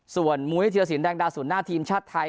ส่วนมูลเทศสินแดงดาวสุดหน้าทีมชาติไทย